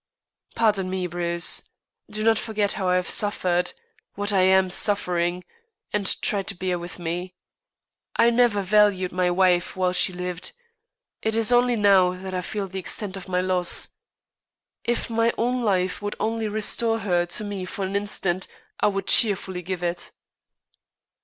"Pardon me, Bruce. Do not forget how I have suffered what I am suffering and try to bear with me. I never valued my wife while she lived. It is only now that I feel the extent of my loss. If my own life would only restore her to me for an instant I would cheerfully give it."